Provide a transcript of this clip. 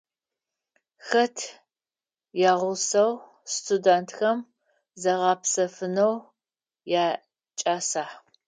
Хэт ягъусэу студентхэм загъэпсэфынэу якӏаса?